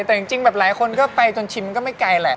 แต่จริงแบบหลายคนก็ไปจนชิมมันก็ไม่ไกลแหละ